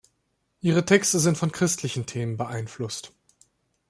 Ihre Texte sind von christlichen Themen beeinflusst.